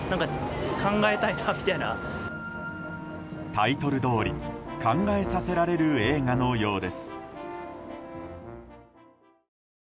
タイトルどおり考えさせられる映画のようです。